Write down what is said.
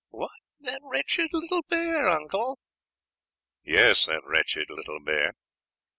"What, that wretched little bear, uncle?" "Yes, that wretched little bear.